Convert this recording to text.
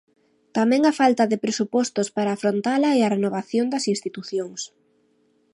Tamén a falta de presupostos para afrontala e a renovación das institucións.